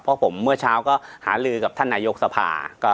เพราะผมเมื่อเช้าก็หาลือกับท่านนายกสภา